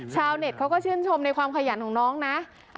เน็ตเขาก็ชื่นชมในความขยันของน้องนะ